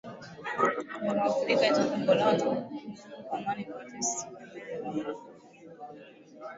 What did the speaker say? kwa Waafrika Afrika itakombolewa tu Pumzika kwa amani Patrice Emery Lumumba Mwafrika kindakindaki